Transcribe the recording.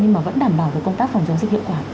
nhưng mà vẫn đảm bảo công tác phòng chống dịch hiệu quả